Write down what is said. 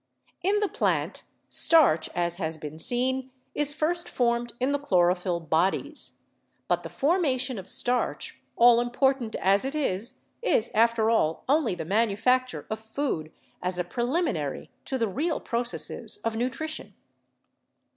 In the plant, starch, as has been seen, is first formed in the chlorophyll bodies. But the formation of starch, all important as it is, is after all only the manufacture of food as a preliminary to the real processes of nutrition.